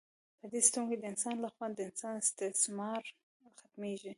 په دې سیستم کې د انسان لخوا د انسان استثمار ختمیږي.